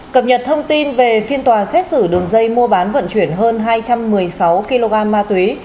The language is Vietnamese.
cập nhật thông tin về phiên tòa xét xử đường dây mua bán vận chuyển hơn hai trăm một mươi sáu kg ma túy